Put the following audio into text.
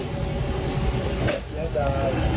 เด็กขี่เนี้ยจ่าย